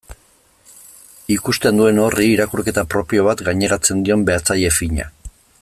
Ikusten duen horri irakurketa propio bat gaineratzen dion behatzaile fina.